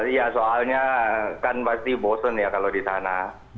iya soalnya kan pasti bosen ya kalau di sana